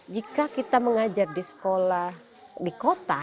jika kita mengajar di sekolah di kota